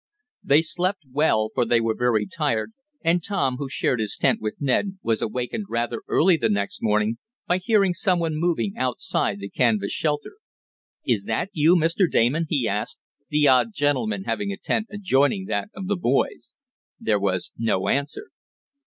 They slept well, for they were very tired, and Tom, who shared his tent with Ned, was awakened rather early the next morning by hearing someone moving outside the canvas shelter. "Is that you, Mr. Damon?" he asked, the odd gentleman having a tent adjoining that of the boys. There was no answer.